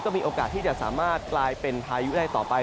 มีโอกาสที่จะสามารถกลายเป็นพายุได้ต่อไป